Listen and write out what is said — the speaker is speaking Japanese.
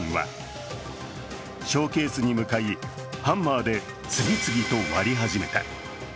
その間、犯人はショーケースに向かい、ハンマーで次々と割り始めた。